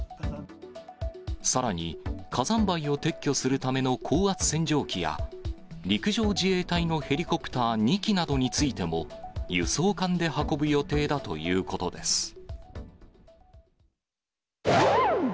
さらに、火山灰を撤去するための高圧洗浄機や、陸上自衛隊のヘリコプター２機などについても、輸送艦で運ぶ予定だということです。